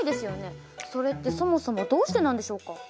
それってそもそもどうしてなんでしょうか？